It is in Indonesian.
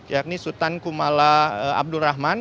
yakni sultan kumala abdul rahman